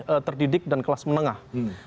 yang terdidik dan kelas menengah